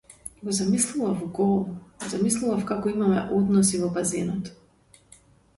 Го замислував гол, замислував како имаме односи во базенот.